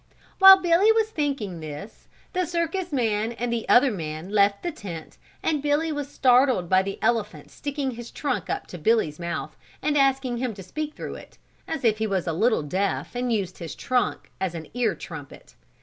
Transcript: While Billy was thinking this, the circus man and the other man left the tent and Billy was startled by the elephant sticking his trunk up to Billy's mouth and asking him to speak through it, as he was a little deaf and used his trunk as an ear trumpet.